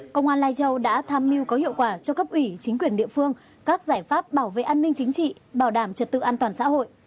công an lai châu đã tham mưu có hiệu quả cho cấp ủy chính quyền địa phương các giải pháp bảo vệ an ninh chính trị bảo đảm trật tự an toàn xã hội